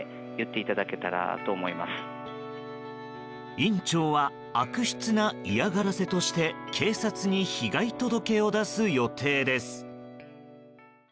院長は悪質な嫌がらせとして警察に被害届を出す予定です。